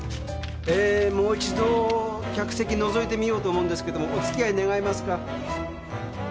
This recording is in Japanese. もう一度客席のぞいてみようと思うんですけどもお付き合い願えますか？